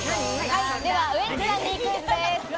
ウエンツさんにクイズです。